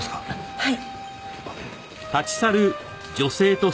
はい。